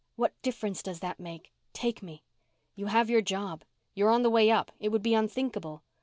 "What difference does that make? Take me." "You have your job. You're on the way up. It would be unthinkable."